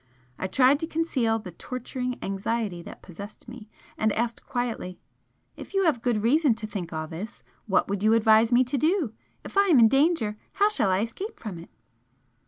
I tried to conceal the torturing anxiety that possessed me, and asked quietly "If you have good reason to think all this, what would you advise me to do? If I am in danger how shall I escape from it?"